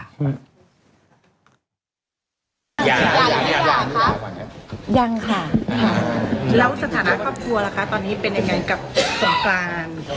แล้วสถานะครอบครัวล่ะคะตอนนี้เป็นยังไงกับสงการ